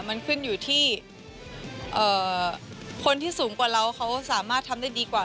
มันขึ้นอยู่ที่คนที่สูงกว่าเราเขาสามารถทำได้ดีกว่า